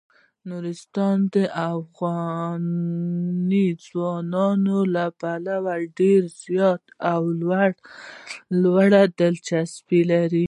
نورستان د افغان ځوانانو لپاره ډیره زیاته او لویه دلچسپي لري.